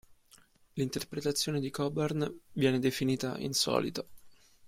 L'interpretazione di Coburn viene definita insolita.